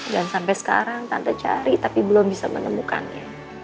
dan sampai sekarang tante cari tapi belum bisa menemukannya